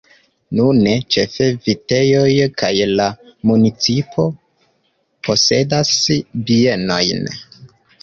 Nune ĉefe vitejoj kaj la municipo posedas bienojn.